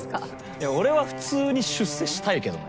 いや俺は普通に出世したいけどね。